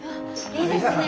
いいですね。